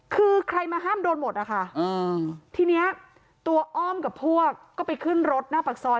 คือใครมาห้ามโดนหมดนะคะทีนี้ตัวอ้อมกับพวกก็ไปขึ้นรถหน้าปากซอย